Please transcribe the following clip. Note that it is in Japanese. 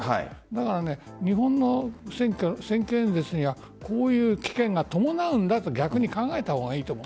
だから、日本の選挙演説にはこういう危険が伴うんだと逆に考えたほうがいいと思う。